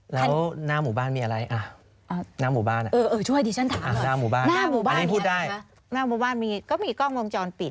แล้อน้ะหน้าหมู่บ้านควรมีอะไร